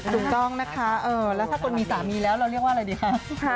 ถูกต้องนะคะแล้วถ้าคนมีสามีแล้วเราเรียกว่าอะไรดีคะ